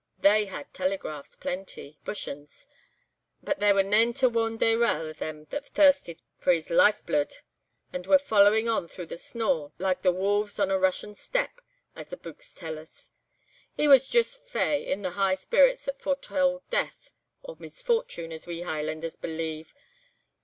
They had telegraphs plenty (bush anes) but there were nane to warn Dayrell o' them that thirsted for his life bluid, and were following on through the snaw, like the wolves on a Russian steppe, as the buiks tell us. He was joost 'fey,' in the high spirits that foretell death or misfortune, as we Hielanders believe.